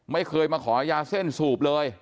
ไม่เคยมาขอยาเส้นสูบเลย